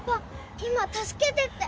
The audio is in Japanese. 今「助けて」って。